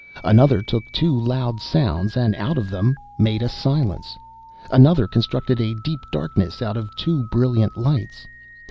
Another took two loud sounds and out of them made a silence. Another constructed a deep darkness out of two brilliant lights.